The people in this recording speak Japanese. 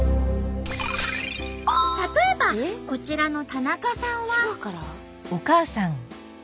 例えばこちらの田中さんは。